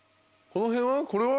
この辺は？